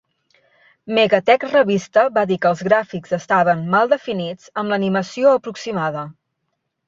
"MegaTech" revista va dir que els gràfics estaven "mal definits amb l'animació aproximada".